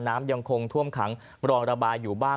น้ำยังคงท่วมขังรองระบายอยู่บ้าง